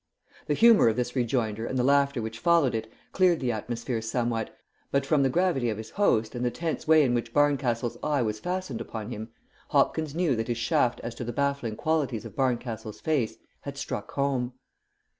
The humour of this rejoinder and the laughter which followed it cleared the atmosphere somewhat, but from the gravity of his host and the tense way in which Barncastle's eye was fastened upon him, Hopkins knew that his shaft as to the baffling qualities of Barncastle's face had struck home.